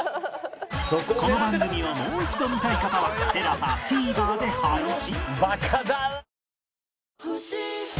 この番組をもう一度見たい方は ＴＥＬＡＳＡＴＶｅｒ で配信